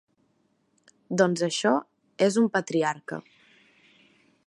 Doncs això és un patriarca.